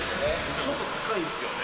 ちょっと高いですよね。